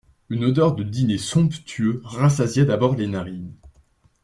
Une odeur de dîner somptueux rassasia d'abord les narines.